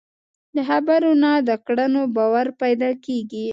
د خبرو نه، د کړنو باور پیدا کېږي.